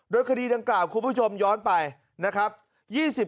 โดยคดีดังกล่าวคุณผู้ชมย้อนไปนะครับ